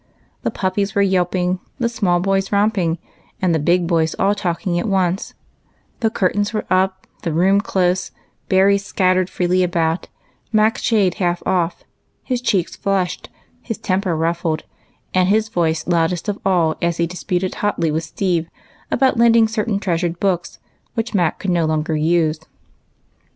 The puppies were yelping, the small boys romping, and the big boys all talking at once ; the curtains were up, the room close, berries scattered freely about, Mac's shade half off, his cheeks flushed, his temper rufiled, and his voice loudest of all as he disputed hotly with Steve about lending certain treasured books which he could no longer use.